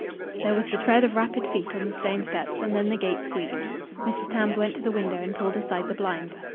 There was the tread of rapid feet on the stone steps, and then the gate squeaked again. Mrs. Tams went to the window and pulled aside the blind.